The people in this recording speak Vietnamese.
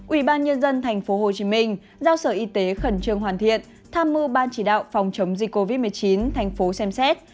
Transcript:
ubnd tp hcm giao sở y tế khẩn trương hoàn thiện tham mưu ban chỉ đạo phòng chống dịch covid một mươi chín tp xem xét